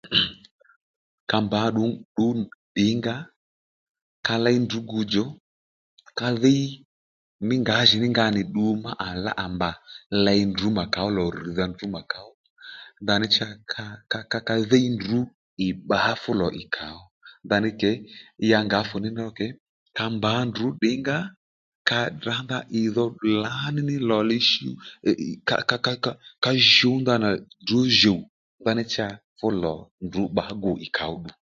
Ka mbǎ dǔdǔ ingá ka léy ndrǔ gudjò ka dhíy mí ngǎjìní nga nì ddu ddu má àa mbà ley ndrǔ mà kàó lò rr̀dha ndrǔ mà kàó ndaní cha ka ka ka dhíy ndrǔ ì bbǎ fú lò ì kàó ndaní kě ya ngǎ fu ní ní ro kě ka mbǎ ndrǔ ddǐngǎ ka tdrǎ nga ìdho lǎní lò li shì ka ka ka shǔ ndanà ndrǔ jùw ndaní cha fú lò ndrǔ bbǎ gu ì kàóddù